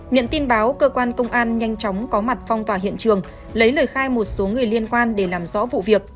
nhận tin báo cơ quan công an nhanh chóng có mặt phong tỏa hiện trường lấy lời khai một số người liên quan để làm rõ vụ việc